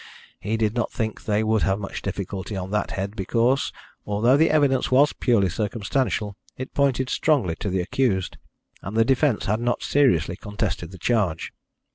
He did not think they would have much difficulty on that head, because, although the evidence was purely circumstantial, it pointed strongly to the accused, and the defence had not seriously contested the charge.